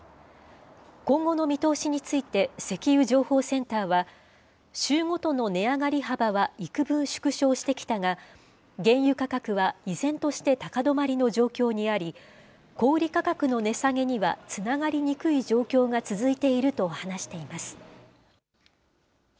今後の見通しについて、石油情報センターは、週ごとの値上がり幅はいくぶん縮小してきたが、原油価格は依然として高止まりの状況にあり、小売り価格の値下がりにはつながりにくい状況が続いていると話しています。